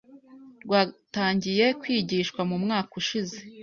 rwatangiye kwigishwa mu mwaka ushize